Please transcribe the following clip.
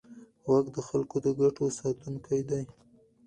واک د خلکو د ګټو ساتونکی دی.